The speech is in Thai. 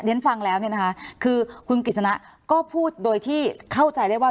เรียนฟังเลยอ่ะนะค่ะคือคุณกฤษณะก็พูดโดยที่เข้าใจได้ว่า